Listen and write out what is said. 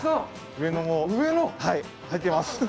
上野もはい入ってます。